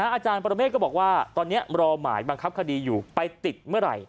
อาจารย์ปรเมฆก็บอกว่าตอนนี้รอหมายบังคับคดีอยู่ไปติดเมื่อไหร่